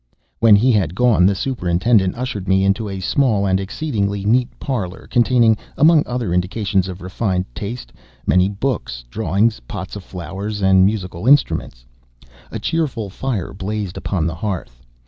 When he had gone, the superintendent ushered me into a small and exceedingly neat parlor, containing, among other indications of refined taste, many books, drawings, pots of flowers, and musical instruments. A cheerful fire blazed upon the hearth.